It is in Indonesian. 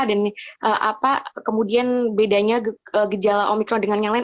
dan apa kemudian bedanya gejala omikron dengan yang lain